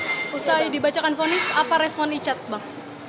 usai dibacakan ponis apa respon richard bang